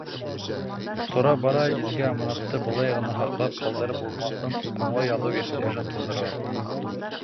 Тора-бара изге аманатты былай ғына һаҡлап ҡалдырып булмаҫын аңлау яҙыу ихтыяжын тыуҙырған.